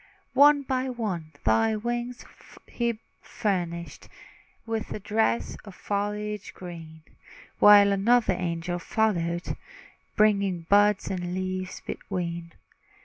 One by one thy twigs he furnished With a dress of foliage green; While another angel followed, Bringing buds the leaves between.